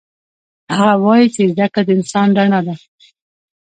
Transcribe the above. هغه وایي چې زده کړه د انسان رڼا ده